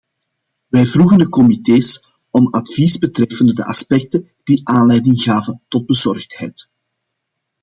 Wij vroegen de comités om advies betreffende de aspecten die aanleiding gaven tot bezorgdheid.